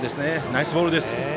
ナイスボールです。